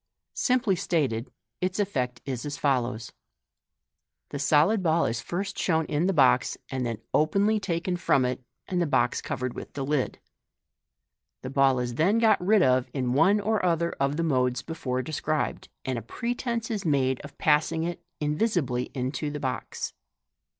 Simply stated, its effect is as follows :— The solid ball is first shown in the box, and then openly taken from it, and the box covered with the liJ. The ball is then got rid of in one or other of the modes before de scribed, and a pretence is made of passing it in visibly into the box.